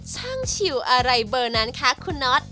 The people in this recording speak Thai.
สร้างชีวะอะไรเบอร์นั้นค่ะคุณนอธ